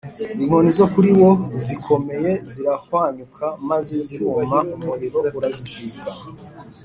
inkoni zo kuri wo zikomeye zirahwanyuka maze ziruma umuriro urazitwika